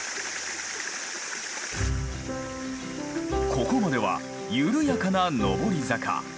ここまでは緩やかな上り坂。